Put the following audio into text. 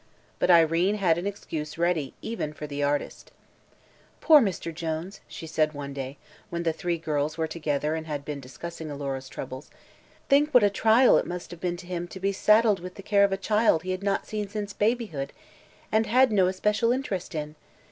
But Irene had an excuse ready even for the artist. "Poor Mr. Jones!" she said one day, when the three girls were together and had been discussing Alora's troubles; "think what a trial must have been to him to be saddled with the care of a child he had not seen since babyhood and had no especial interest in.